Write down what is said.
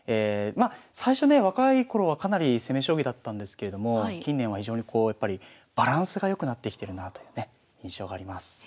まあ最初ね若い頃はかなり攻め将棋だったんですけれども近年は非常にこうやっぱりバランスが良くなってきてるなというね印象があります。